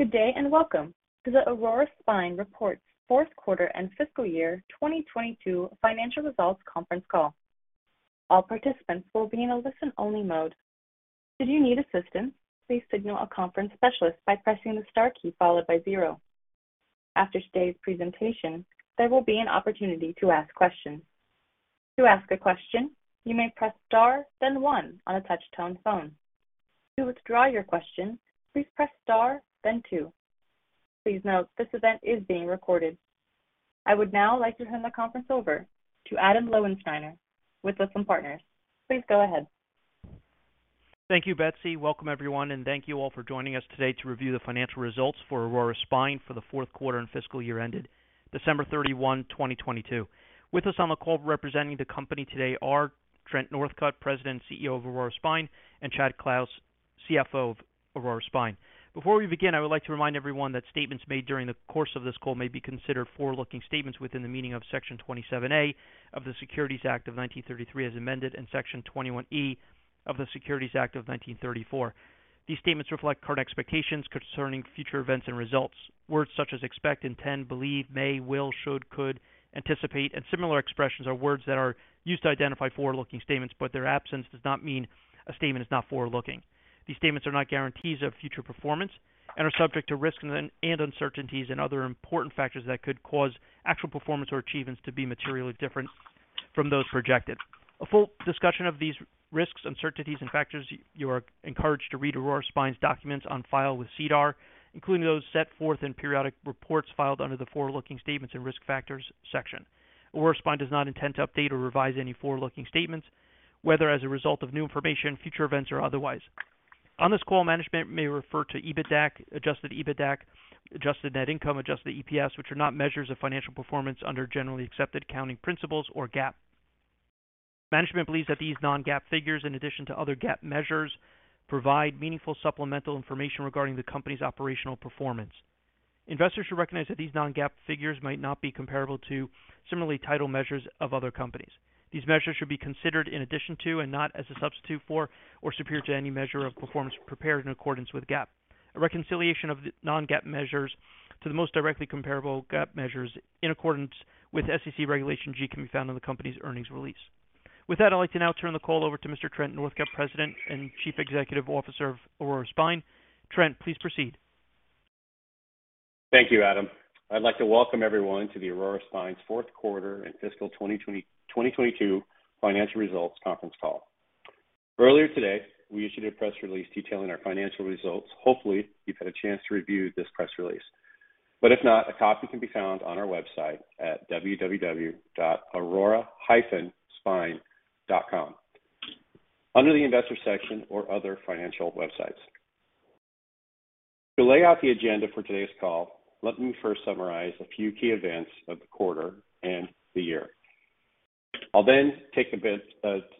Good day and welcome to the Aurora Spine Reports fourth quarter and fiscal year 2022 financial results conference call. All participants will be in a listen-only mode. Should you need assistance, please signal a conference specialist by pressing the star key followed by zero. After today's presentation, there will be an opportunity to ask questions. To ask a question, you may press star then one on a touch-tone phone. To withdraw your question, please press star then two. Please note, this event is being recorded. I would now like to turn the conference over to Adam Lowensteiner with Lytham Partners. Please go ahead. Thank you, Betsy. Welcome, everyone, and thank you all for joining us today to review the financial results for Aurora Spine for the fourth quarter and fiscal year ended December 31, 2022. With us on the call representing the company today are Trent Northcutt, President and CEO of Aurora Spine, and Chad Clouse, CFO of Aurora Spine. Before we begin, I would like to remind everyone that statements made during the course of this call may be considered forward-looking statements within the meaning of Section 27A of the Securities Act of 1933 as amended in Section 21E of the Securities Exchange Act of 1934. These statements reflect current expectations concerning future events and results. Words such as expect, intend, believe, may, will, should, could, anticipate, and similar expressions are words that are used to identify forward-looking statements, but their absence does not mean a statement is not forward-looking. These statements are not guarantees of future performance and are subject to risks and uncertainties and other important factors that could cause actual performance or achievements to be materially different from those projected. A full discussion of these risks, uncertainties and factors you are encouraged to read Aurora Spine's documents on file with SEDAR, including those set forth in periodic reports filed under the Forward-Looking Statements and Risk Factors section. Aurora Spine does not intend to update or revise any forward-looking statements, whether as a result of new information, future events, or otherwise. On this call, management may refer to EBITDA, adjusted EBITDA, adjusted net income, adjusted EPS, which are not measures of financial performance under generally accepted accounting principles or GAAP. Management believes that these non-GAAP figures, in addition to other GAAP measures, provide meaningful supplemental information regarding the company's operational performance. Investors should recognize that these non-GAAP figures might not be comparable to similarly titled measures of other companies. These measures should be considered in addition to and not as a substitute for or superior to any measure of performance prepared in accordance with GAAP. A reconciliation of the non-GAAP measures to the most directly comparable GAAP measures in accordance with SEC Regulation G can be found on the company's earnings release. I'd like to now turn the call over to Mr. Trent Northcutt, President and Chief Executive Officer of Aurora Spine. Trent, please proceed. Thank you, Adam. I'd like to welcome everyone to the Aurora Spine's fourth quarter and fiscal 2022 financial results conference call. Earlier today, we issued a press release detailing our financial results. Hopefully, you've had a chance to review this press release. If not, a copy can be found on our website at www.aurora-spine.com under the Investors section or other financial websites. To lay out the agenda for today's call, let me first summarize a few key events of the quarter and the year. I'll then take a bit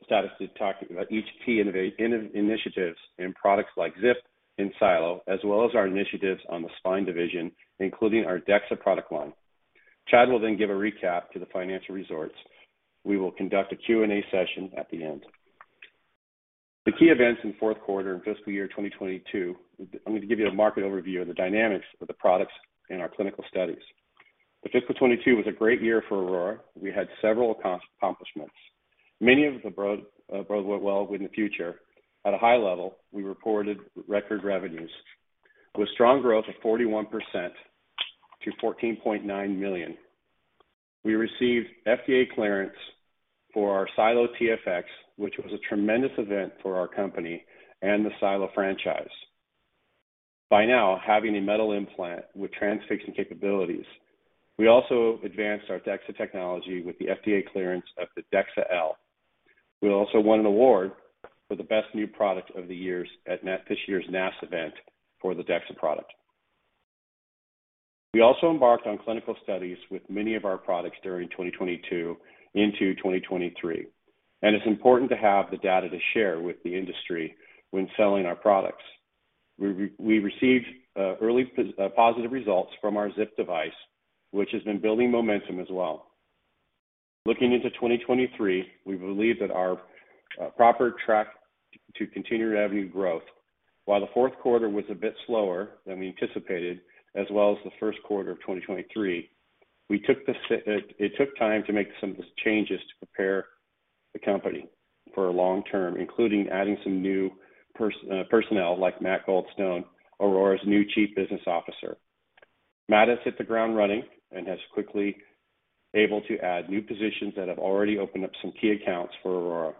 status to talk about each key initiatives in products like ZIP and SiLO, as well as our initiatives on the spine division, including our DEXA product line. Chad will give a recap to the financial results. We will conduct a Q&A session at the end. The key events in fourth quarter and fiscal year 2022, I'm going to give you a market overview of the dynamics of the products in our clinical studies. The fiscal 2022 was a great year for Aurora. We had several accomplishments, many of the brough went well with the future. At a high level, we reported record revenues with strong growth of 41% to $14.9 million. We received FDA clearance for our SiLO TFX, which was a tremendous event for our company and the SiLO franchise. By now, having a metal implant with transfixing capabilities, we also advanced our DEXA technology with the FDA clearance of the DEXA-L. We also won an award for the best new product of the years at this year's NASS event for the DEXA product. We also embarked on clinical studies with many of our products during 2022 into 2023. It's important to have the data to share with the industry when selling our products. We received early positive results from our ZIP device, which has been building momentum as well. Looking into 2023, we believe that our proper track to continued revenue growth, while the fourth quarter was a bit slower than we anticipated, as well as the first quarter of 2023, it took time to make some of the changes to prepare the company for a long term, including adding some new personnel like Matt Goldstone, Aurora's new Chief Business Officer. Matt has hit the ground running and has quickly able to add new positions that have already opened up some key accounts for Aurora.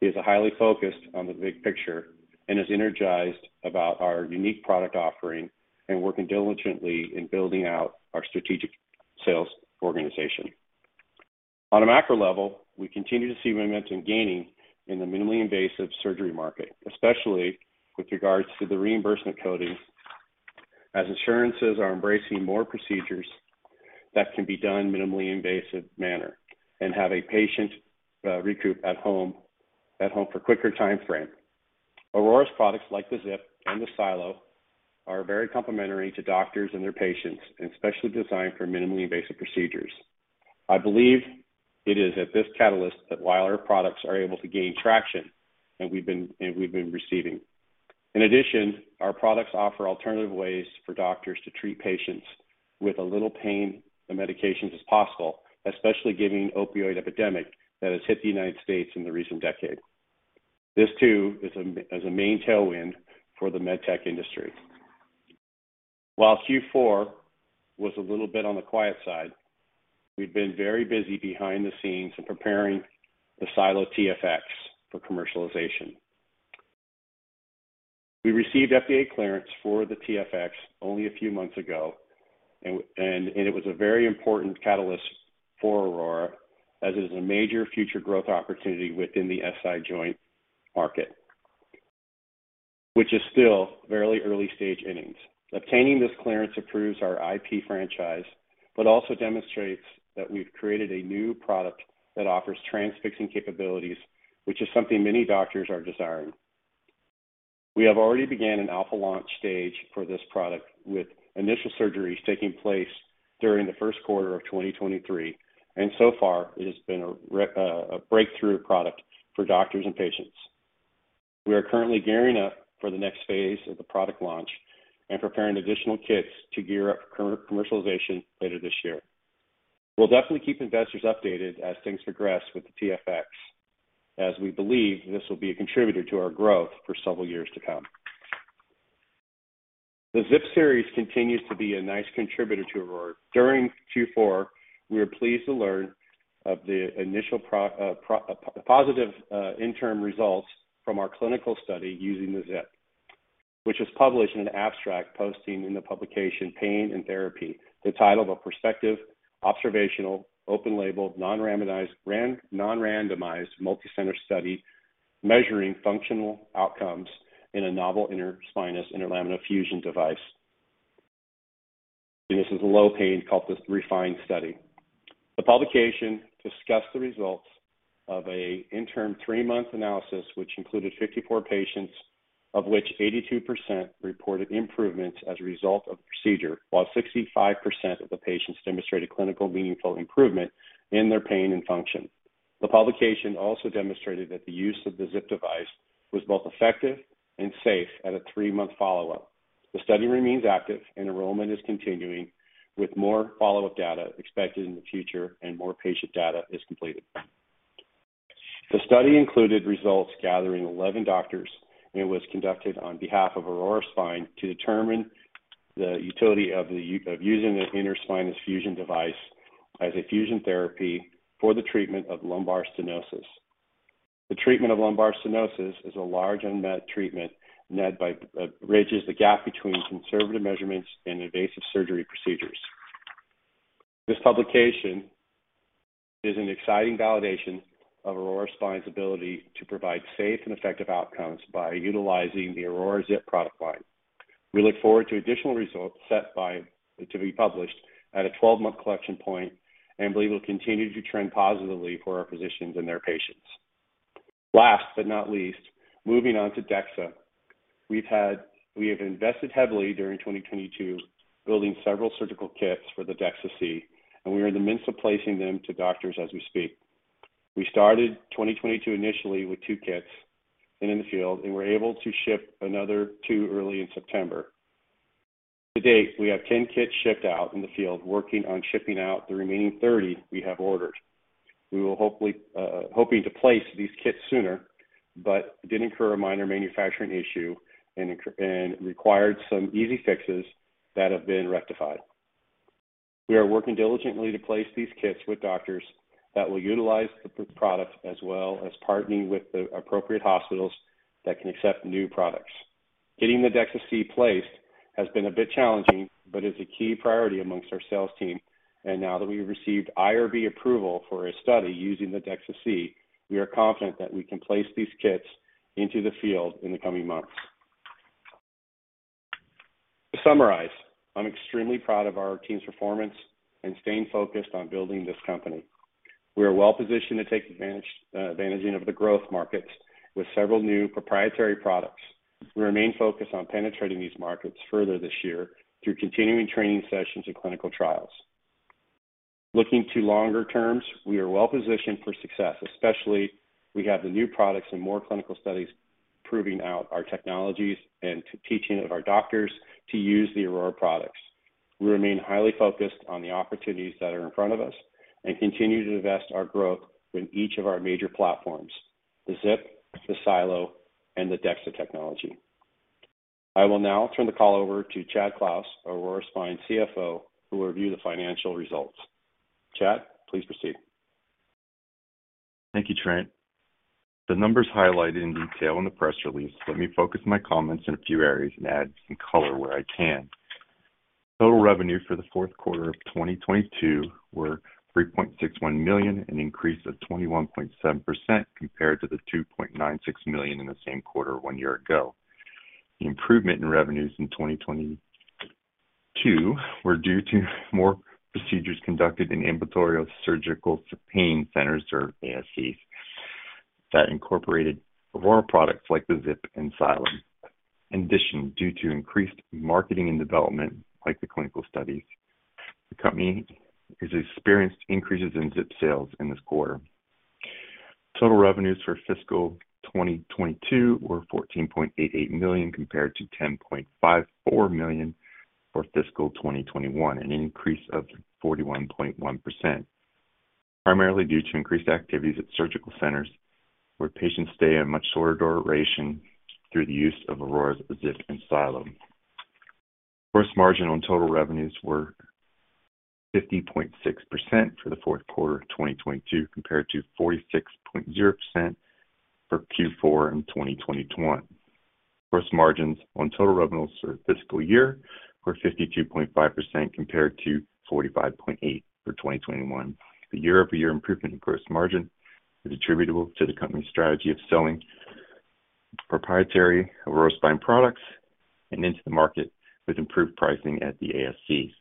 He is a highly focused on the big picture and is energized about our unique product offering and working diligently in building out our strategic sales organization. On a macro level, we continue to see momentum gaining in the minimally invasive surgery market, especially with regards to the reimbursement coding, as insurances are embracing more procedures that can be done minimally invasive manner and have a patient recoup at home for quicker timeframe. Aurora's products like the ZIP and the SiLO are very complementary to doctors and their patients, and especially designed for minimally invasive procedures. I believe it is at this catalyst that while our products are able to gain traction, and we've been receiving. In addition, our products offer alternative ways for doctors to treat patients with a little pain and medications as possible, especially given opioid epidemic that has hit the United States in the recent decade. This too is a main tailwind for the med tech industry. While Q4 was a little bit on the quiet side, we've been very busy behind the scenes in preparing the SiLO TFX for commercialization. We received FDA clearance for the TFX only a few months ago, and it was a very important catalyst for Aurora as it is a major future growth opportunity within the SI joint market, which is still fairly early stage innings. Obtaining this clearance approves our IP franchise, but also demonstrates that we've created a new product that offers transfixing capabilities, which is something many doctors are desiring. We have already began an alpha launch stage for this product with initial surgeries taking place during the first quarter of 2023, and so far it has been a breakthrough product for doctors and patients. We are currently gearing up for the next phase of the product launch and preparing additional kits to gear up for commercialization later this year. We'll definitely keep investors updated as things progress with the TFX, as we believe this will be a contributor to our growth for several years to come. The ZIP series continues to be a nice contributor to Aurora. During Q4, we were pleased to learn of the initial positive interim results from our clinical study using the ZIP, which was published in an abstract posting in the publication Pain and Therapy, the title of a prospective, observational, open-label, non-randomized, multi-center study measuring functional outcomes in a novel interspinous interlaminar fusion device. This is a low pain called the REFINE study. The publication discussed the results of a interim three-month analysis which included 54 patients, of which 82% reported improvements as a result of the procedure, while 65% of the patients demonstrated clinical meaningful improvement in their pain and function. The publication also demonstrated that the use of the ZIP device was both effective and safe at a three-month follow-up. The study remains active and enrollment is continuing with more follow-up data expected in the future and more patient data is completed. The study included results gathering 11 doctors and was conducted on behalf of Aurora Spine to determine the utility of using the interspinous fusion device as a fusion therapy for the treatment of lumbar stenosis. The treatment of lumbar stenosis is a large unmet treatment bridges the gap between conservative measurements and invasive surgery procedures. This publication is an exciting validation of Aurora Spine's ability to provide safe and effective outcomes by utilizing the Aurora ZIP product line. We look forward to additional results to be published at a 12-month collection point and believe it will continue to trend positively for our physicians and their patients. Last but not least, moving on to DEXA. We have invested heavily during 2022 building several surgical kits for the DEXA-C, and we are in the midst of placing them to doctors as we speak. We started 2022 initially with two kits in the field and were able to ship another two early in September. To date, we have 10 kits shipped out in the field, working on shipping out the remaining 30 we have ordered. We will hopefully, hoping to place these kits sooner, but did incur a minor manufacturing issue and required some easy fixes that have been rectified. We are working diligently to place these kits with doctors that will utilize the product as well as partnering with the appropriate hospitals that can accept new products. Getting the DEXA-C placed has been a bit challenging but is a key priority amongst our sales team. Now that we've received IRB approval for a study using the DEXA-C, we are confident that we can place these kits into the field in the coming months. To summarize, I'm extremely proud of our team's performance in staying focused on building this company. We are well-positioned to take advantage of the growth markets with several new proprietary products. We remain focused on penetrating these markets further this year through continuing training sessions and clinical trials. Looking to longer terms, we are well-positioned for success, especially we have the new products and more clinical studies proving out our technologies and teaching of our doctors to use the Aurora products. We remain highly focused on the opportunities that are in front of us and continue to invest our growth in each of our major platforms, the ZIP, the SiLO, and the DEXA technology. I will now turn the call over to Chad Clouse, Aurora Spine CFO, who will review the financial results. Chad, please proceed. Thank you, Trent. The numbers highlighted in detail in the press release let me focus my comments in a few areas and add some color where I can. Total revenue for the fourth quarter of 2022 were $3.61 million, an increase of 21.7% compared to the $2.96 million in the same quarter one year ago. The improvement in revenues in 2022 were due to more procedures conducted in ambulatory surgical pain centers or ASCs that incorporated Aurora products like the ZIP and SiLO. Due to increased marketing and development, like the clinical studies, the company has experienced increases in ZIP sales in this quarter. Total revenues for fiscal 2022 were $14.88 million compared to $10.54 million for fiscal 2021, an increase of 41.1%. Primarily due to increased activities at surgical centers where patients stay a much shorter duration through the use of Aurora's ZIP and SiLO. Gross margin on total revenues were 50.6% for the fourth quarter of 2022 compared to 46.0% for Q4 in 2021. Gross margins on total revenues for fiscal year were 52.5% compared to 45.8% for 2021. The year-over-year improvement in gross margin is attributable to the company's strategy of selling proprietary Aurora Spine products and into the market with improved pricing at the ASC.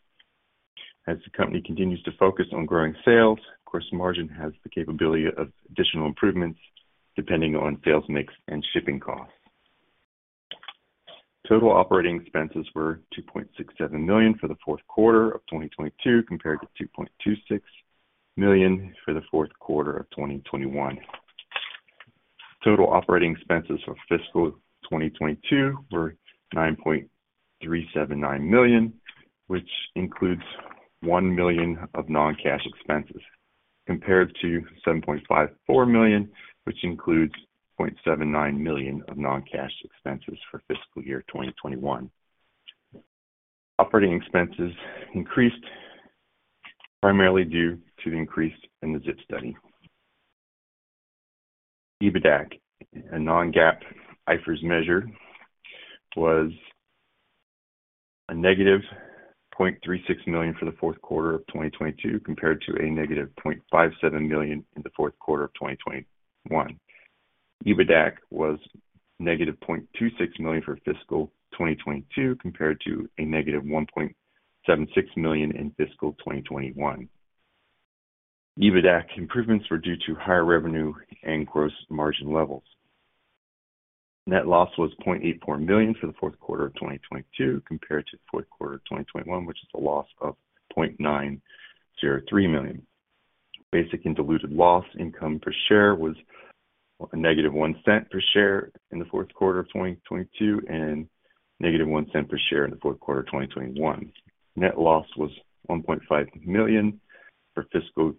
As the company continues to focus on growing sales, gross margin has the capability of additional improvements depending on sales mix and shipping costs. Total operating expenses were $2.67 million for the fourth quarter of 2022 compared to $2.26 million for the fourth quarter of 2021. Total operating expenses for fiscal 2022 were $9.379 million, which includes $1 million of non-cash expenses, compared to $7.54 million, which includes $0.79 million of non-cash expenses for fiscal year 2021. Operating expenses increased primarily due to the increase in the ZIP study. EBITDA, a non-GAAP IFRS measure, was -$0.36 million for the fourth quarter of 2022 compared to -$0.57 million in the fourth quarter of 2021. EBITDA was -$0.26 million for fiscal 2022 compared to -$1.76 million in fiscal 2021. EBITDA improvements were due to higher revenue and gross margin levels. Net loss was $0.84 million for the fourth quarter of 2022 compared to the fourth quarter of 2021, which is a loss of $0.903 million. Basic and diluted loss income per share was -$0.01 per share in the fourth quarter of 2022 and -$0.01 per share in the fourth quarter of 2021. Net loss was $1.5 million for fiscal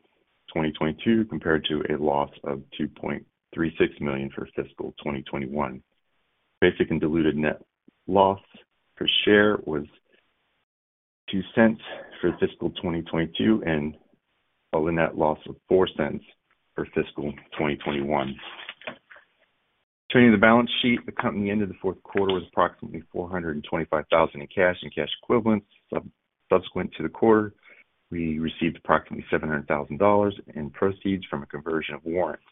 2022 compared to a loss of $2.36 million for fiscal 2021. Basic and diluted net loss per share was $0.02 for fiscal 2022 and a net loss of $0.04 for fiscal 2021. Turning to the balance sheet, the company end of the fourth quarter was approximately $425,000 in cash and cash equivalents. Subsequent to the quarter, we received approximately $700,000 in proceeds from a conversion of warrants.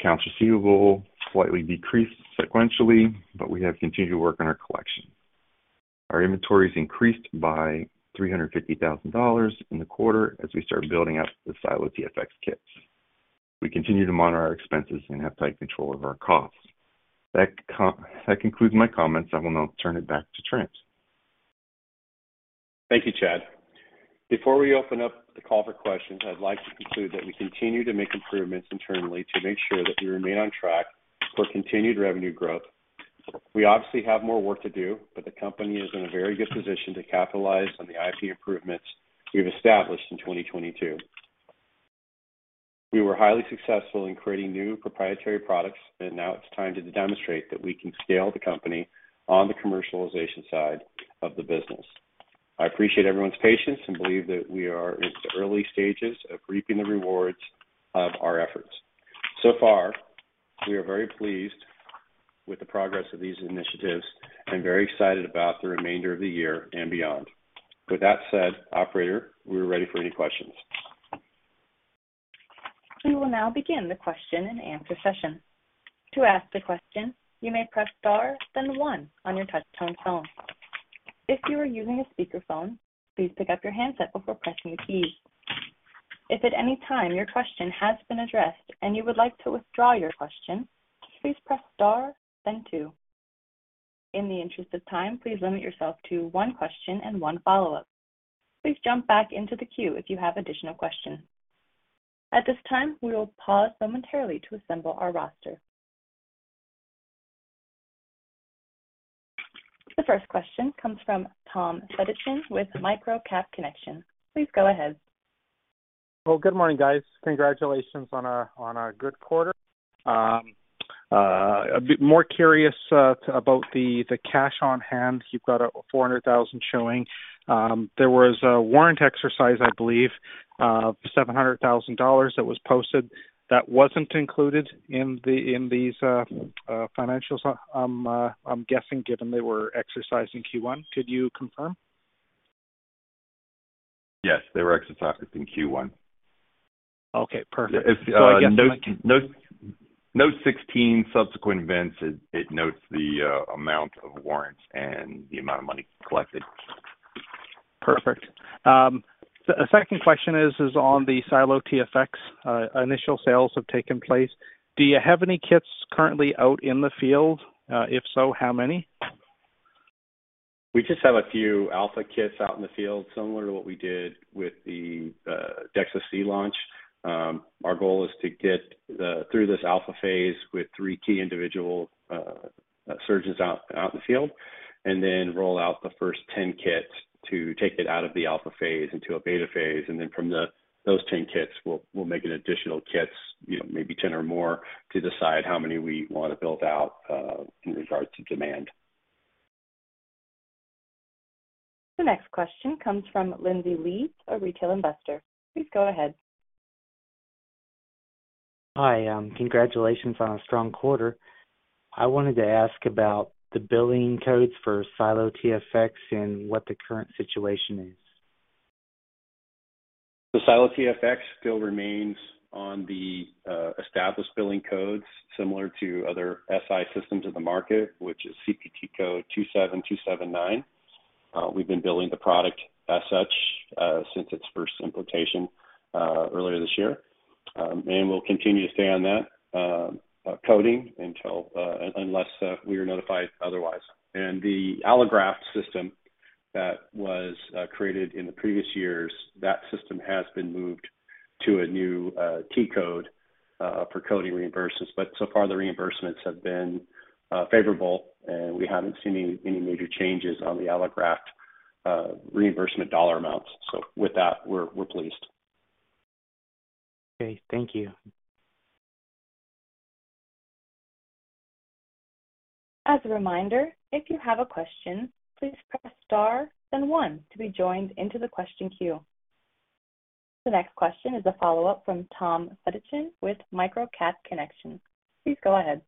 Accounts receivable slightly decreased sequentially, but we have continued to work on our collection. Our inventories increased by $350,000 in the quarter as we start building out the SiLO TFX kits. We continue to monitor our expenses and have tight control over our costs. That concludes my comments. I will now turn it back to Trent. Thank you, Chad. Before we open up the call for questions, I'd like to conclude that we continue to make improvements internally to make sure that we remain on track for continued revenue growth. The company is in a very good position to capitalize on the IT improvements we've established in 2022. We were highly successful in creating new proprietary products, now it's time to demonstrate that we can scale the company on the commercialization side of the business. I appreciate everyone's patience and believe that we are in the early stages of reaping the rewards of our efforts. Far, we are very pleased with the progress of these initiatives and very excited about the remainder of the year and beyond. With that said, operator, we are ready for any questions. We will now begin the question and answer session. To ask the question, you may press star then one on your touch tone phone. If you are using a speakerphone, please pick up your handset before pressing a key. If at any time your question has been addressed and you would like to withdraw your question, please press star then two. In the interest of time, please limit yourself to one question and one follow-up. Please jump back into the queue if you have additional questions. At this time, we will pause momentarily to assemble our roster. The first question comes from Tom Fedichin with Microcap Connection. Please go ahead. Well, good morning, guys. Congratulations on a good quarter. A bit more curious about the cash on hand. You've got a $400,000 showing. There was a warrant exercise, I believe, $700,000 that was posted that wasn't included in these financials, I'm guessing given they were exercised in Q1. Could you confirm? Yes, they were exercised in Q1. Okay, perfect. If, note 16 subsequent events, it notes the amount of warrants and the amount of money collected. Perfect. The second question is on the SiLO TFX. Initial sales have taken place. Do you have any kits currently out in the field? If so, how many? We just have a few alpha kits out in the field, similar to what we did with the DEXA-C launch. Our goal is to get through this alpha phase with three-key individual surgeons out in the field and then roll out the first 10 kits to take it out of the alpha phase into a beta phase. From those 10 kits, we'll make an additional kits, you know, maybe 10 or more to decide how many we wanna build out in regards to demand. The next question comes from Lindsay Leeds, a retail investor. Please go ahead. Hi. Congratulations on a strong quarter. I wanted to ask about the billing codes for SiLO TFX and what the current situation is? The SiLO TFX still remains on the established billing codes similar to other SI systems in the market, which is CPT code 27279. We've been billing the product as such since its first implantation earlier this year. We'll continue to stay on that coding until unless we are notified otherwise. The allograft system that was created in the previous years, that system has been moved to a new T-code for coding reimbursements. So far, the reimbursements have been favorable, and we haven't seen any major changes on the allograft reimbursement dollar amounts. With that, we're pleased. Okay. Thank you. As a reminder, if you have a question, please press star then one to be joined into the question queue. The next question is a follow-up from Tom Fedichin with Microcap Connection. Please go ahead.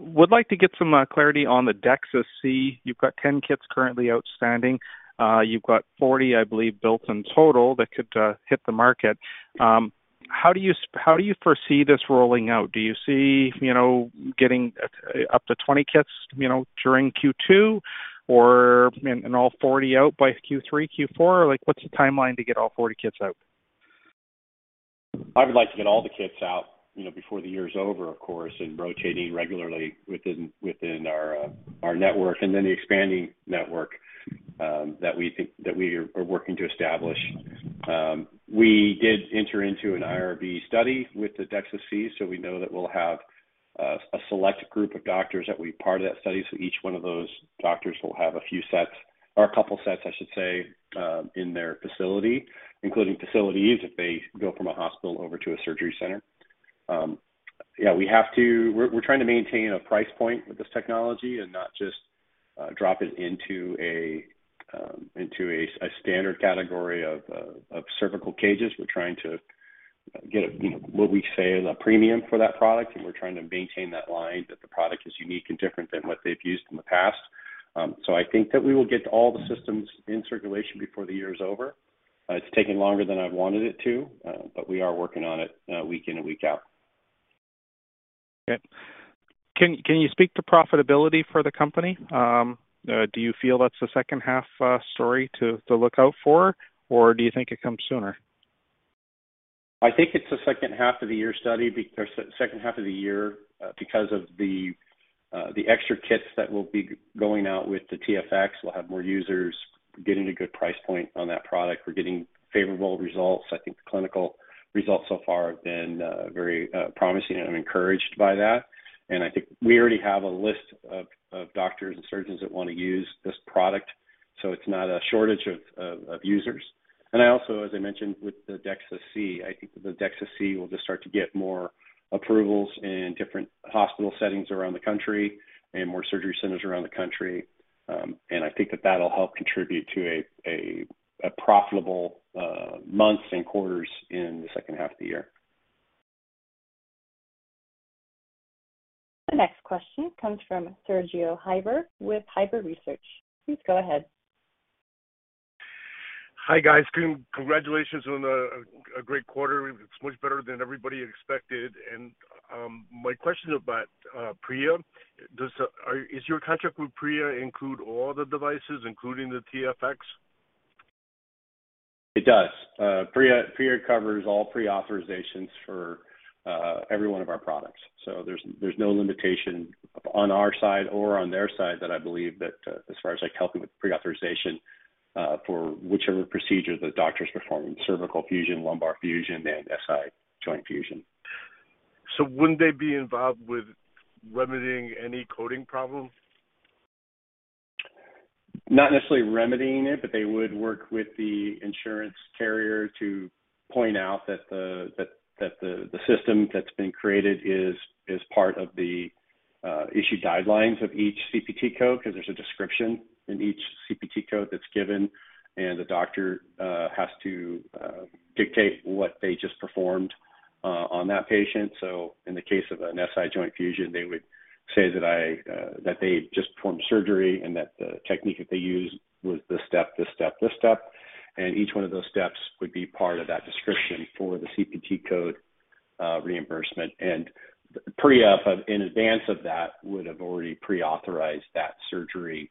would like to get some clarity on the DEXA-C. You've got 10 kits currently outstanding. You've got 40, I believe, built in total that could hit the market. How do you foresee this rolling out? Do you see, you know, getting up to 20 kits, you know, during Q2 or, and all 40 out by Q3, Q4? Like, what's the timeline to get all 40 kits out? I would like to get all the kits out, you know, before the year is over, of course, and rotating regularly within our network and then the expanding network that we are working to establish. We did enter into an IRB study with the DEXA-C, so we know that we'll have a select group of doctors that we part of that study, so each one of those doctors will have a few sets or a couple sets, I should say, in their facility, including facilities if they go from a hospital over to a surgery center. Yeah, we have to. We're trying to maintain a price point with this technology and not just drop it into a standard category of cervical cages. We're trying to get a, you know, what we say is a premium for that product, and we're trying to maintain that line that the product is unique and different than what they've used in the past. I think that we will get all the systems in circulation before the year is over. It's taking longer than I wanted it to, we are working on it, week in and week out. Okay. Can you speak to profitability for the company? Do you feel that's the second half story to look out for? Do you think it comes sooner? I think it's a second half of the year study or second half of the year because of the extra kits that will be going out with the TFX. We'll have more users getting a good price point on that product. We're getting favorable results. I think the clinical results so far have been very promising. I'm encouraged by that. I think we already have a list of doctors and surgeons that wanna use this product, so it's not a shortage of users. I also, as I mentioned with the DEXA-C, I think that the DEXA-C will just start to get more approvals in different hospital settings around the country and more surgery centers around the country. I think that that'll help contribute to a profitable months and quarters in the second half of the year. The next question comes from Sergio Hiver with Heber Research. Please go ahead. Hi, guys. Congratulations on a great quarter. It's much better than everybody expected. My question is about The Premia Group. Is your contract with The Premia Group include all the devices, including the TFX? It does. The Premia Group covers all pre-authorizations for every one of our products. There's no limitation on our side or on their side that I believe that, as far as, like, helping with pre-authorization, for whichever procedure the doctor is performing, cervical fusion, lumbar fusion, and SI joint fusion. Wouldn't they be involved with remedying any coding problems? Not necessarily remedying it, but they would work with the insurance carrier to point out that the system that's been created is part of the issued guidelines of each CPT code, 'cause there's a description in each CPT code that's given, and the doctor has to dictate what they just performed on that patient. In the case of an SI joint fusion, they would say that I, that they just performed surgery and that the technique that they used was this step, this step, this step, and each one of those steps would be part of that description for the CPT code. Reimbursement and pre-op in advance of that would have already pre-authorized that surgery,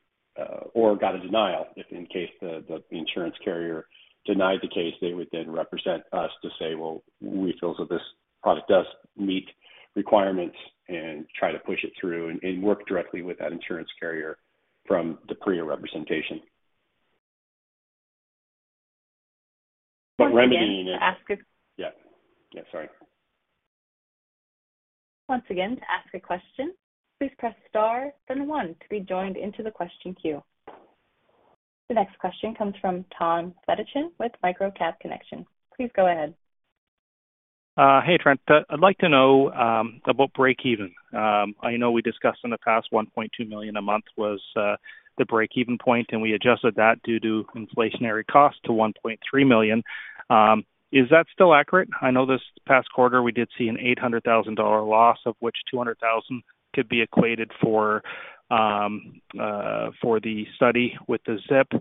or got a denial if in case the insurance carrier denied the case, they would then represent us to say, "Well, we feel that this product does meet requirements," and try to push it through and work directly with that insurance carrier from the pre-op representation. Remedying it- Once again to ask. Yeah. Yeah, sorry. Once again, to ask a question, please press star then one to be joined into the question queue. The next question comes from Tom Fedichin with Microcap Connection. Please go ahead. Hey, Trent. I'd like to know about break even. I know we discussed in the past $1.2 million a month was the break-even point, and we adjusted that due to inflationary costs to $1.3 million. Is that still accurate? I know this past quarter we did see an $800,000 loss, of which $200,000 could be equated for for the study with the ZIP.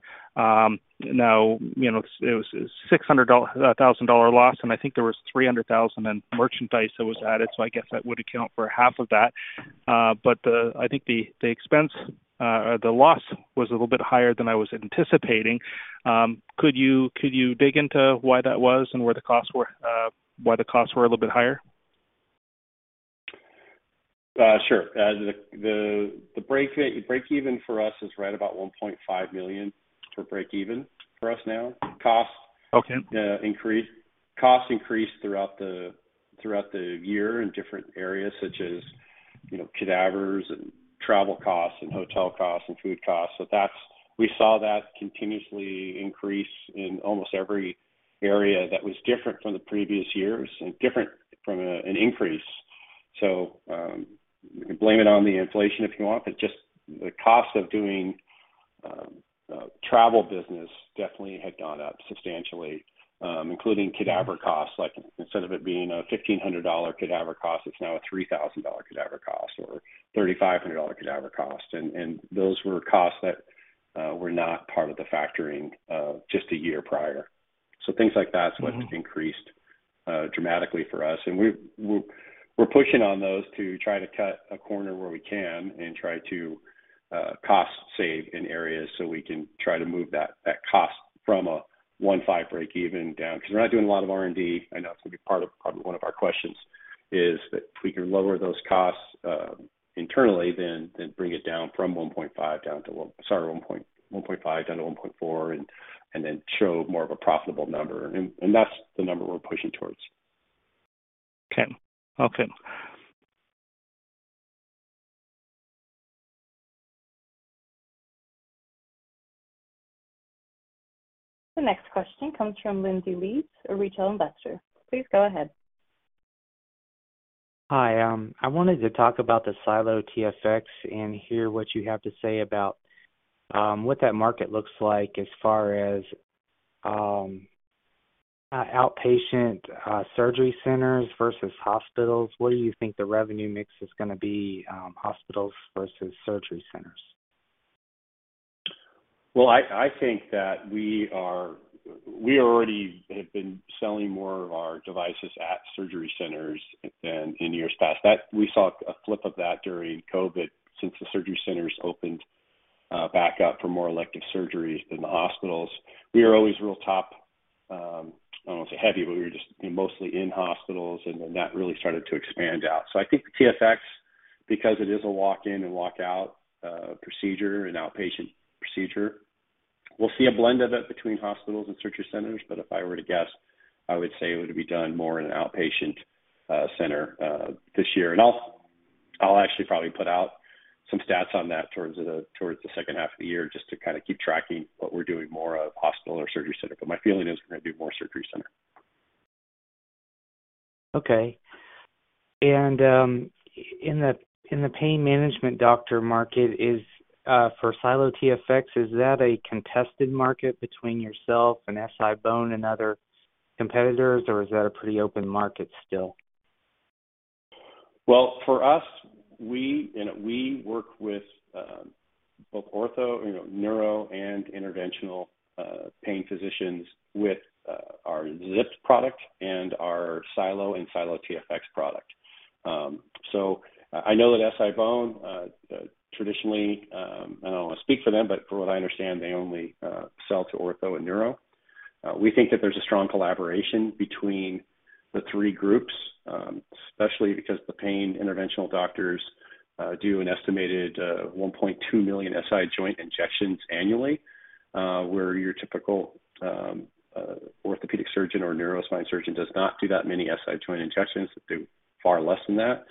Now, you know, it was $600,000 loss, and I think there was $300,000 in merchandise that was added, so I guess that would account for half of that. I think the expense, the loss was a little bit higher than I was anticipating. Could you dig into why that was and where the costs were, why the costs were a little bit higher? Sure. The break even for us is right about $1.5 million for break even for us now. Okay. Costs increased throughout the year in different areas such as, you know, cadavers and travel costs and hotel costs and food costs. We saw that continuously increase in almost every area that was different from the previous years and different from an increase. You can blame it on the inflation if you want, but just the cost of doing travel business definitely had gone up substantially, including cadaver costs. Like, instead of it being a $1,500 cadaver cost, it's now a $3,000 cadaver cost or $3,500 cadaver cost. Those were costs that were not part of the factoring just a year prior. Things like that. Mm-hmm. Is what increased dramatically for us. We're pushing on those to try to cut a corner where we can and try to cost save in areas so we can try to move that cost from a 1.5 break even down. 'Cause we're not doing a lot of R&D. I know it's gonna be part of one of our questions, is that if we can lower those costs internally, then bring it from 1.5 down to 1.4 and then show more of a profitable number. That's the number we're pushing towards. Okay. Okay. The next question comes from Lindsay Leeds, a retail investor. Please go ahead. Hi. I wanted to talk about the SiLO TFX and hear what you have to say about, what that market looks like as far as, outpatient, surgery centers versus hospitals. What do you think the revenue mix is gonna be, hospitals versus surgery centers? I think that we already have been selling more of our devices at surgery centers than in years past. We saw a flip of that during COVID since the surgery centers opened back up for more elective surgeries than the hospitals. We are always real top, I don't wanna say heavy, but we were just mostly in hospitals, and then that really started to expand out. I think the TFX, because it is a walk-in and walk-out procedure an outpatient procedure, we'll see a blend of it between hospitals and surgery centers. If I were to guess, I would say it would be done more in an outpatient center this year. I'll actually probably put out some stats on that towards the, towards the second half of the year just to kinda keep tracking what we're doing more of hospital or surgery center, but my feeling is we're gonna do more surgery center. Okay. in the, in the pain management doctor market, for SiLO TFX, is that a contested market between yourself and SI-BONE and other competitors, or is that a pretty open market still? Well, for us, we work with both ortho, you know, neuro and interventional pain physicians with our ZIP product and our SiLO and SiLO TFX product. I know that SI-BONE, traditionally, I don't wanna speak for them, but from what I understand, they only sell to ortho and neuro. We think that there's a strong collaboration between the three groups, especially because the pain interventional doctors do an estimated $1.2 million SI joint injections annually, where your typical orthopedic surgeon or neuro spine surgeon does not do that many SI joint injections. They do far less than that.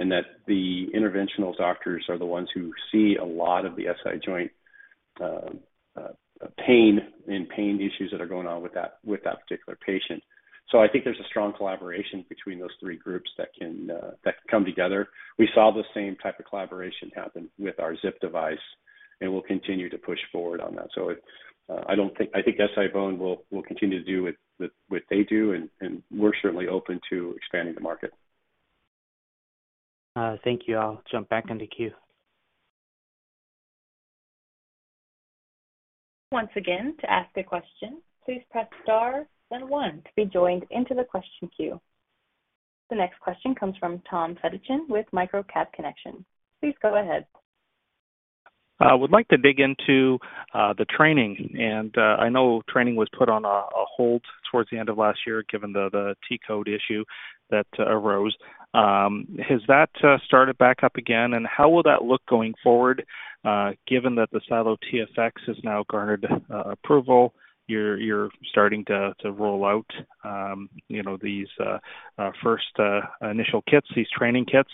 That the interventional doctors are the ones who see a lot of the SI joint pain and pain issues that are going on with that, with that particular patient. I think there's a strong collaboration between those three groups that can come together. We saw the same type of collaboration happen with our ZIP device, and we'll continue to push forward on that. I think SI-BONE will continue to do what they do, and we're certainly open to expanding the market. Thank you. I'll jump back in the queue. Once again, to ask a question, please press star then one to be joined into the question queue. The next question comes from Tom Fedichin with Microcap Connection. Please go ahead. would like to dig into the training. I know training was put on a hold towards the end of last year given the T-code issue that arose. Has that started back up again? How will that look going forward, given that the SiLO TFX has now garnered approval, you're starting to roll out, you know, these first initial kits, these training kits.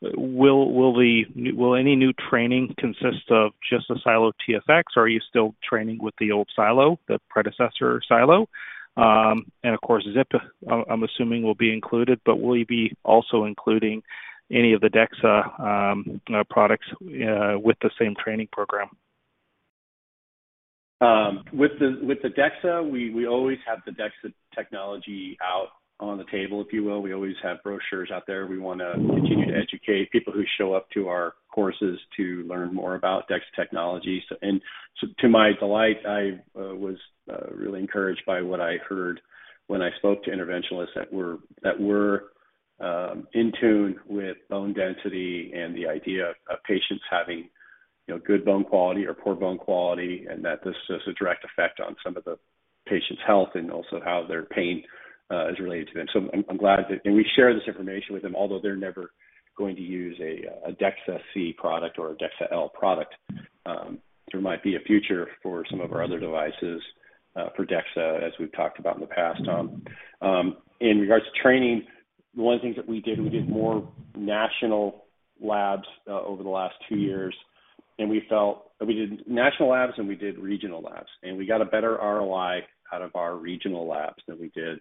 Will any new training consist of just the SiLO TFX, or are you still training with the old SiLO, the predecessor SiLO? Of course, ZIP, I'm assuming will be included, but will you be also including any of the DEXA products with the same training program? With the DEXA, we always have the DEXA technology out on the table, if you will. We always have brochures out there. We wanna continue to educate people who show up to our courses to learn more about DEXA technologies. To my delight, I was really encouraged by what I heard when I spoke to interventionalists that were in tune with bone density and the idea of patients having, you know, good bone quality or poor bone quality, and that this has a direct effect on some of the patients' health and also how their pain is related to them. I'm glad. We share this information with them, although they're never going to use a DEXA C product or a DEXA L product. There might be a future for some of our other devices, for DEXA, as we've talked about in the past, Tom. In regards to training, one of the things that we did, we did more national labs over the last two years. We did national labs, and we did regional labs. We got a better ROI out of our regional labs than we did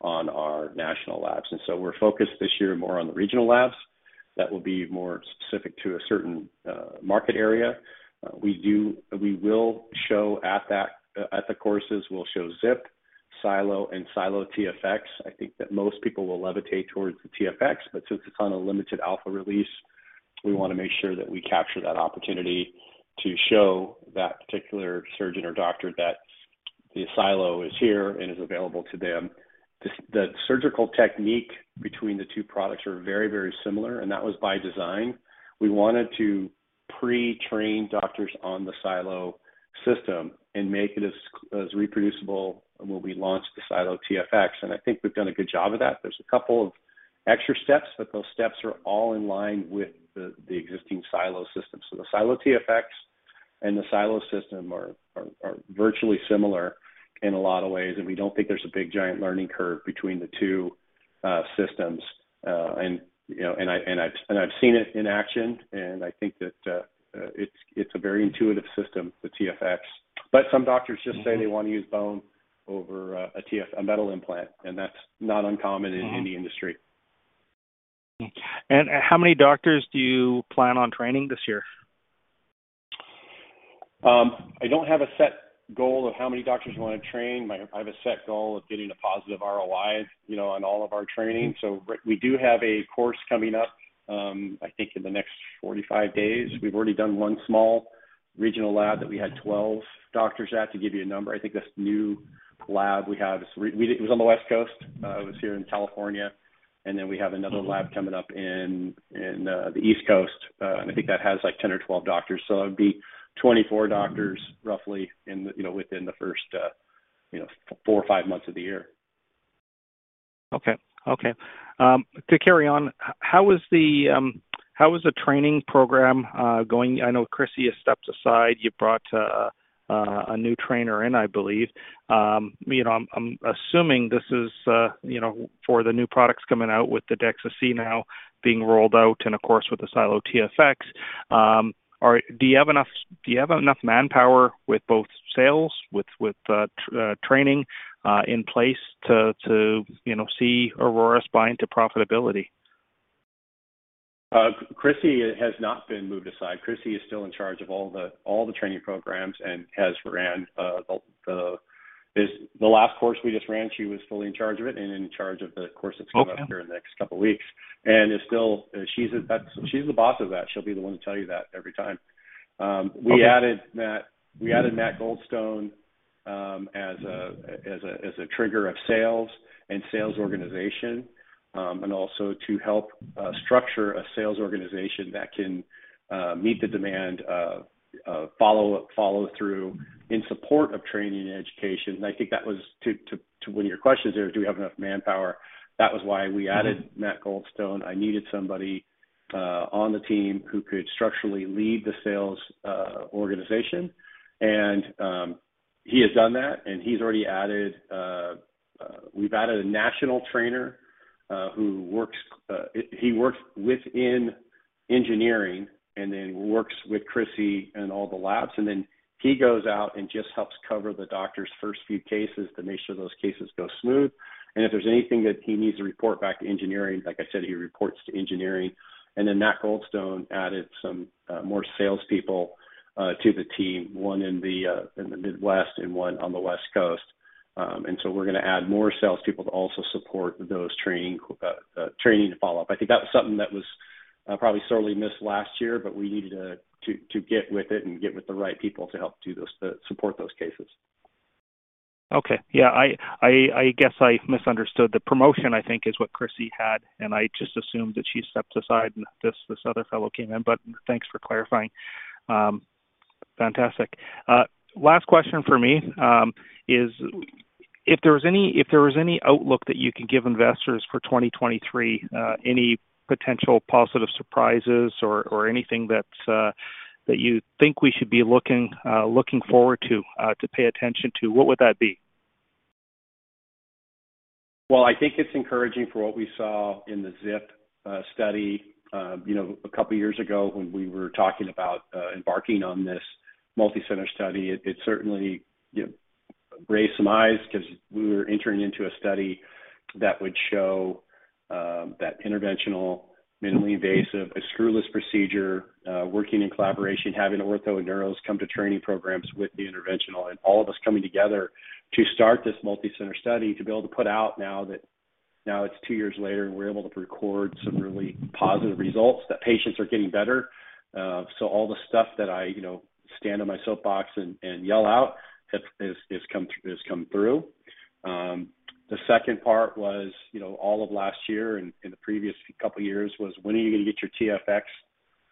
on our national labs. We're focused this year more on the regional labs that will be more specific to a certain market area. We will show at the courses, we'll show ZIP, SiLO and SiLO TFX. I think that most people will levitate towards the TFX, but since it's on a limited alpha release, we wanna make sure that we capture that opportunity to show that particular surgeon or doctor that the SiLO is here and is available to them. The surgical technique between the two products are very, very similar. That was by design. We wanted to pre-train doctors on the SiLO system and make it as reproducible when we launched the SiLO TFX. I think we've done a good job of that. There's a couple of extra steps, those steps are all in line with the existing SiLO systems. The SiLO TFX and the SiLO system are virtually similar in a lot of ways, we don't think there's a big, giant learning curve between the two systems. You know, I've seen it in action, and I think that it's a very intuitive system, the TFX. Some doctors just say they wanna use bone over a TFX, a metal implant, and that's not uncommon in the industry. How many doctors do you plan on training this year? I don't have a set goal of how many doctors we wanna train. I have a set goal of getting a positive ROI, you know, on all of our training. We do have a course coming up, I think in the next 45 days. We've already done 1 small regional lab that we had 12 doctors at, to give you a number. I think this new lab we have, it was on the West Coast. It was here in California. We have another lab coming up in the East Coast. I think that has, like, 10 or 12 doctors. It'd be 24 doctors roughly in the, you know, within the first, you know, four or five months of the year. Okay. Okay. To carry on, how is the training program going? I know Chrissy has stepped aside. You brought a new trainer in, I believe. You know, I'm assuming this is, you know, for the new products coming out with the DEXA-C now being rolled out and, of course, with the SiLO TFX. Do you have enough manpower with both sales, with training in place to, you know, see Aurora Spine to profitability? Chrissy has not been moved aside. Chrissy is still in charge of all the training programs and has ran the last course we just ran, she was fully in charge of it and in charge of the course that's coming up here in the next couple weeks. She's, that's, she's the boss of that. She'll be the one to tell you that every time. We added Matt Goldstone as a trigger of sales and sales organization and also to help structure a sales organization that can meet the demand, follow up, follow through in support of training and education. I think that was to one of your questions there, do we have enough manpower? That was why we added Matt Goldstone. I needed somebody on the team who could structurally lead the sales organization. He has done that, and he's already added. We've added a national trainer who works, he works within engineering and then works with Chrissy in all the labs. He goes out and just helps cover the doctor's first few cases to make sure those cases go smooth. If there's anything that he needs to report back to engineering, like I said, he reports to engineering. Matt Goldstone added some more salespeople to the team, one in the Midwest and one on the West Coast. So we're gonna add more sales people to also support those training follow-up. I think that was something that was, probably sorely missed last year, but we needed to get with it and get with the right people to help support those cases. Okay. Yeah, I guess I misunderstood. The promotion, I think, is what Chrissy had, and I just assumed that she stepped aside and this other fellow came in. Thanks for clarifying. Fantastic. Last question for me, is if there was any outlook that you can give investors for 2023, any potential positive surprises or anything that you think we should be looking forward to pay attention to, what would that be? Well, I think it's encouraging for what we saw in the ZIP study. You know, a couple of years ago when we were talking about embarking on this multi-center study, it certainly, you know, raised some eyes because we were entering into a study that would show that interventional, minimally invasive, a screwless procedure, working in collaboration, having ortho and neuros come to training programs with the interventional and all of us coming together to start this multi-center study, to be able to put out now that now it's two years later and we're able to record some really positive results that patients are getting better. All the stuff that I, you know, stand on my soapbox and yell out has come through. The second part was, you know, all of last year and in the previous couple years was when are you gonna get your TFX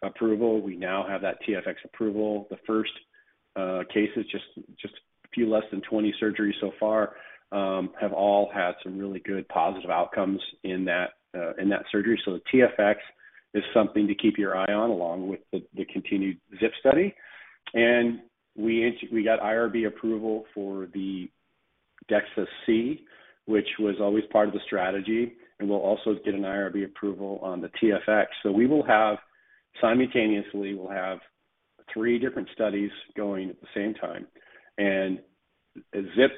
approval? We now have that TFX approval. The first cases, just a few less than 20 surgeries so far, have all had some really good positive outcomes in that in that surgery. The TFX is something to keep your eye on along with the continued ZIP study. We got IRB approval for the DEXA-C, which was always part of the strategy, and we'll also get an IRB approval on the TFX. Simultaneously, we'll have three different studies going at the same time. As ZIP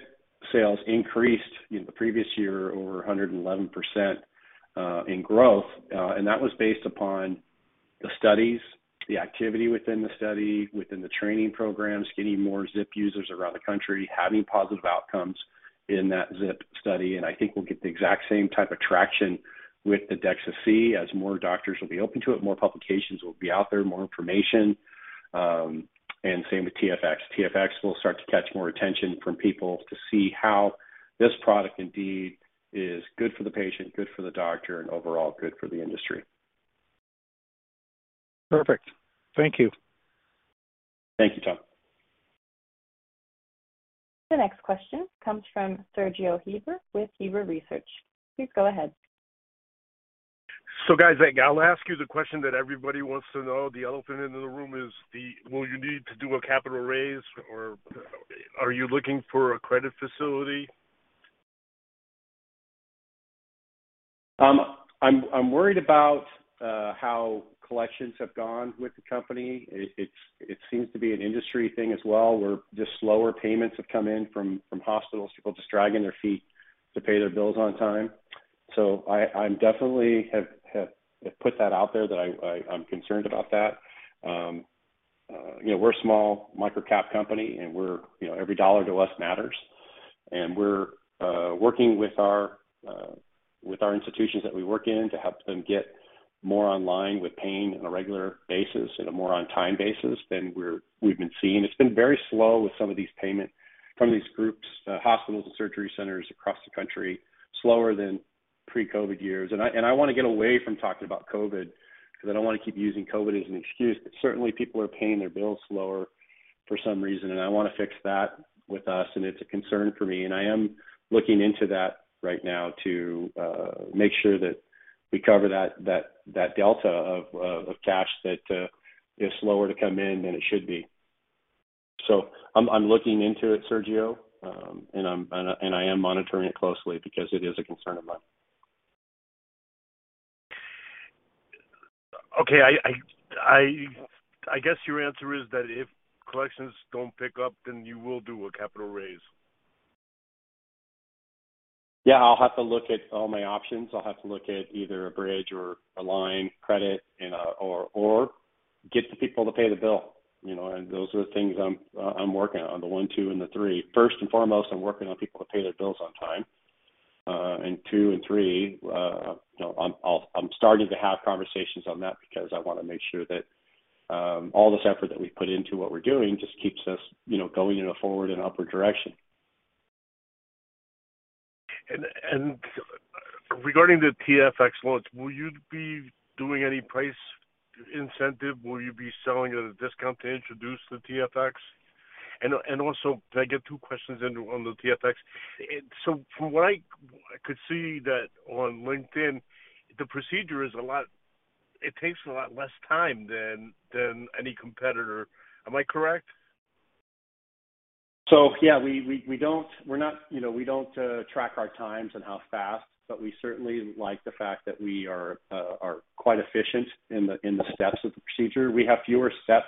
sales increased in the previous year over 111% in growth, and that was based upon the studies, the activity within the study, within the training programs, getting more ZIP users around the country, having positive outcomes in that ZIP study. I think we'll get the exact same type of traction with the DexC as more doctors will be open to it, more publications will be out there, more information, and same with TFX. TFX will start to catch more attention from people to see how this product indeed is good for the patient, good for the doctor, and overall good for the industry. Perfect. Thank you. Thank you, Tom. The next question comes from Sergio Heber with Heber Research. Please go ahead. Guys, I'll ask you the question that everybody wants to know. The elephant in the room is, will you need to do a capital raise or are you looking for a credit facility? I'm worried about how collections have gone with the company. It seems to be an industry thing as well, where just slower payments have come in from hospitals, people just dragging their feet to pay their bills on time. I'm definitely have put that out there that I'm concerned about that. You know, we're a small micro-cap company and we're, you know, every dollar to us matters. We're working with our institutions that we work in to help them get more online with paying on a regular basis and a more on-time basis than we've been seeing. It's been very slow with some of these payment from these groups, hospitals and surgery centers across the country, slower than pre-COVID years. I, and I wanna get away from talking about COVID because I don't wanna keep using COVID as an excuse. Certainly, people are paying their bills slower for some reason, and I wanna fix that with us, and it's a concern for me. I am looking into that right now to make sure that we cover that delta of cash that is slower to come in than it should be. I'm looking into it, Sergio, and I am monitoring it closely because it is a concern of mine. I guess your answer is that if collections don't pick up, then you will do a capital raise. Yeah. I'll have to look at all my options. I'll have to look at either a bridge or a line credit or get the people to pay the bill, you know. Those are the things I'm working on, the one, two, and three. First and foremost, I'm working on people to pay their bills on time. Two and three, you know, I'm starting to have conversations on that because I wanna make sure that all this effort that we put into what we're doing just keeps us, you know, going in a forward and upward direction. Regarding the TFX launch, will you be doing any price incentive? Will you be selling at a discount to introduce the TFX? Also, can I get two questions in on the TFX? From what I could see that on LinkedIn, it takes a lot less time than any competitor. Am I correct? Yeah. We don't, you know, we don't track our times and how fast, we certainly like the fact that we are quite efficient in the steps of the procedure. We have fewer steps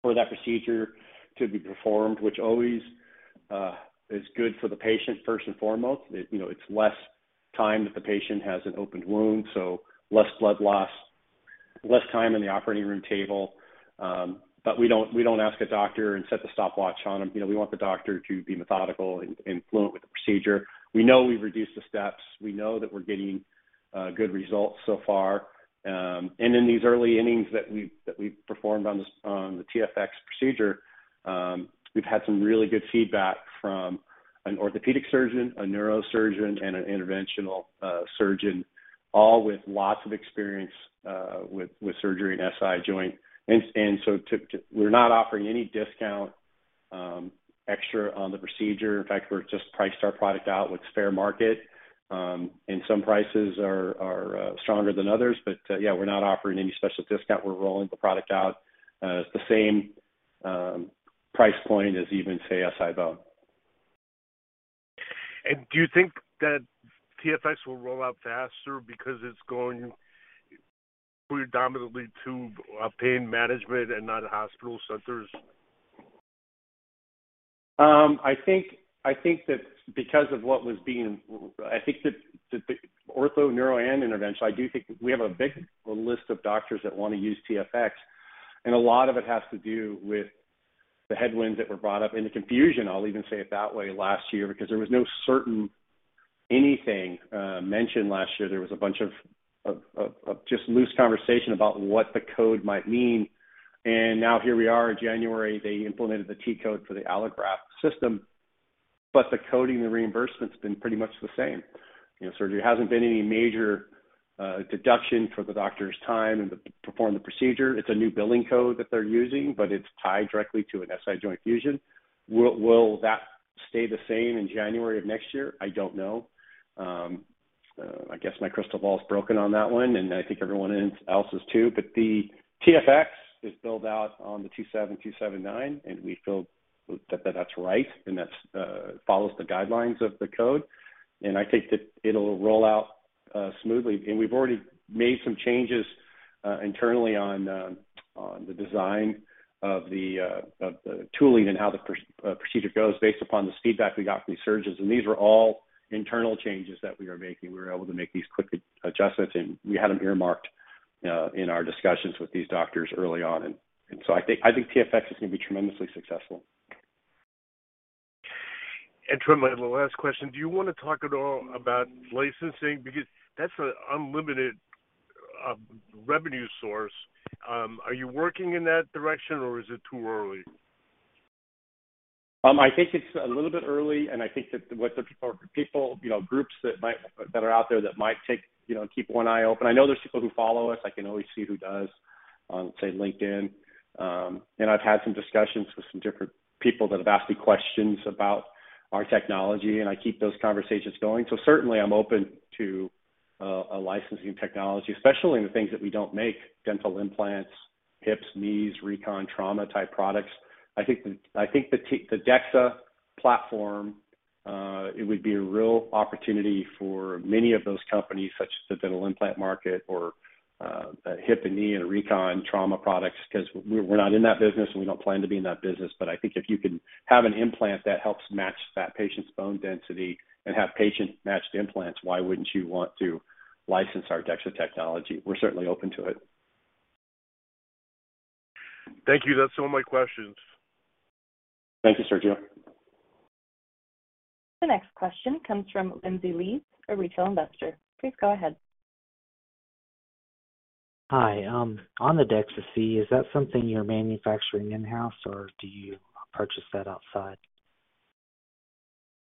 for that procedure to be performed, which always is good for the patient, first and foremost. It, you know, it's less time that the patient has an open wound, so less blood loss. Less time in the operating room table. We don't ask a doctor and set the stopwatch on them. You know, we want the doctor to be methodical and fluent with the procedure. We know we've reduced the steps. We know that we're getting good results so far. In these early innings that we've performed on the TFX procedure, we've had some really good feedback from an orthopedic surgeon, a neurosurgeon, and an interventional surgeon, all with lots of experience with surgery in SI joint. We're not offering any discount extra on the procedure. In fact, we're just priced our product out with fair market, and some prices are stronger than others. Yeah, we're not offering any special discount. We're rolling the product out at the same price point as even, say, SI-BONE. Do you think that TFX will roll out faster because it's going predominantly to pain management and not hospital centers? I think that because of what was being... I think that the ortho, neuro, and interventional, I do think we have a big list of doctors that wanna use TFX, and a lot of it has to do with the headwinds that were brought up and the confusion, I'll even say it that way, last year because there was no certain anything mentioned last year. There was a bunch of just loose conversation about what the code might mean. Now here we are in January, they implemented the T-code for the allograft system, but the coding and reimbursement's been pretty much the same. You know, surgery hasn't been any major deduction for the doctor's time and to perform the procedure. It's a new billing code that they're using, but it's tied directly to an SI joint fusion. Will that stay the same in January of next year? I don't know. I guess my crystal ball is broken on that one, and I think everyone else's too. The TFX is billed out on the 27279, and we feel that that that's right and that follows the guidelines of the code. I think that it'll roll out smoothly. We've already made some changes internally on the design of the tooling and how the procedure goes based upon this feedback we got from these surgeons. These were all internal changes that we are making. We were able to make these quick adjustments, and we had them earmarked in our discussions with these doctors early on. So I think TFX is gonna be tremendously successful. Trent, my last question. Do you wanna talk at all about licensing? Because that's an unlimited revenue source. Are you working in that direction, or is it too early? I think it's a little bit early, and I think that with the people, you know, groups that are out there that might take, you know, keep one eye open. I know there's people who follow us. I can always see who does on, say, LinkedIn. I've had some discussions with some different people that have asked me questions about our technology, and I keep those conversations going. Certainly, I'm open to a licensing technology, especially in the things that we don't make, dental implants, hips, knees, recon, trauma type products. I think the DEXA platform, it would be a real opportunity for many of those companies, such as the dental implant market or hip and knee and recon trauma products, 'cause we're not in that business, and we don't plan to be in that business. I think if you can have an implant that helps match that patient's bone density and have patient-matched implants, why wouldn't you want to license our DEXA technology? We're certainly open to it. Thank you. That's all my questions. Thank you, Sergio. The next question comes from Lindsay Leeds, a retail investor. Please go ahead. Hi. On the DEXA-C, is that something you're manufacturing in-house, or do you purchase that outside?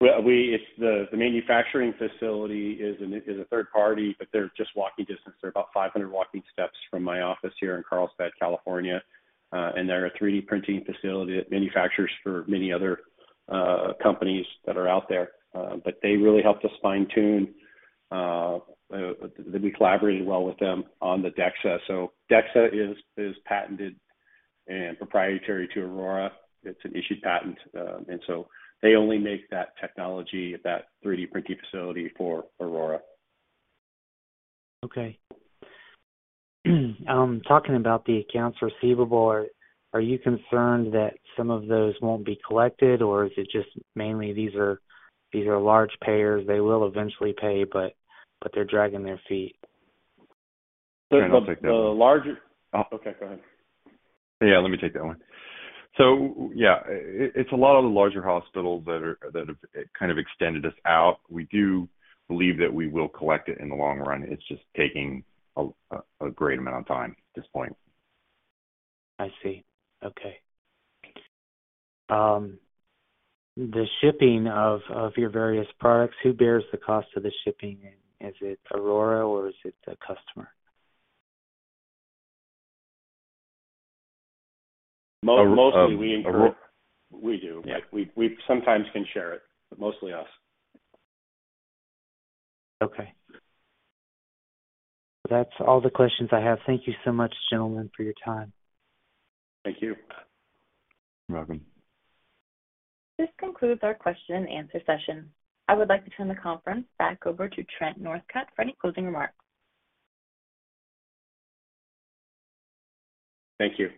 It's the manufacturing facility is a third party, but they're just walking distance. They're about 500 walking steps from my office here in Carlsbad, California. They're a 3D printing facility that manufactures for many other companies that are out there. They really helped us fine-tune. We collaborated well with them on the DEXA. DEXA is patented and proprietary to Aurora. It's an issued patent. They only make that technology at that 3D printing facility for Aurora. Okay. Talking about the accounts receivable, are you concerned that some of those won't be collected, or is it just mainly these are large payers, they will eventually pay, but they're dragging their feet? The, the, the larger- Trent, I'll take that one. Oh, okay. Go ahead. Yeah, let me take that one. Yeah, it's a lot of the larger hospitals that have kind of extended us out. We do believe that we will collect it in the long run. It's just taking a great amount of time at this point. I see. Okay. The shipping of your various products, who bears the cost of the shipping? Is it Aurora, or is it the customer? Mo- Aurora. Mostly we incur. We do. Yeah. We sometimes can share it, but mostly us. That's all the questions I have. Thank you so much, gentlemen, for your time. Thank you. You're welcome. This concludes our question and answer session. I would like to turn the conference back over to Trent Northcutt for any closing remarks. Thank you.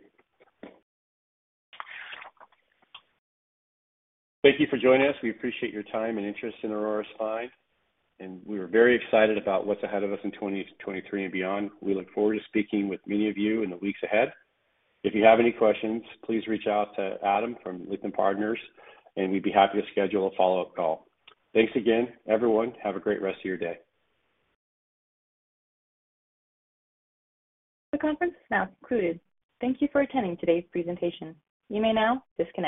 Thank you for joining us. We appreciate your time and interest in Aurora Spine. We are very excited about what's ahead of us in 2023 and beyond. We look forward to speaking with many of you in the weeks ahead. If you have any questions, please reach out to Adam from Lytham Partners. We'd be happy to schedule a follow-up call. Thanks again, everyone. Have a great rest of your day. The conference is now concluded. Thank you for attending today's presentation. You may now disconnect.